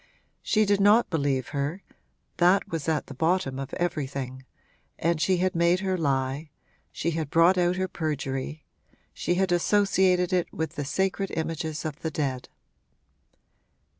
She did not believe her that was at the bottom of everything, and she had made her lie, she had brought out her perjury, she had associated it with the sacred images of the dead.